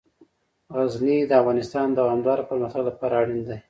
غزني د افغانستان د دوامداره پرمختګ لپاره اړین دي.